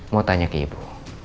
mau tanya ke ibu